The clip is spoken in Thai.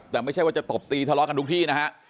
แต่ไม่ใช่ว่าจะตบตีทะเลาะกันทุกที่นะฮะ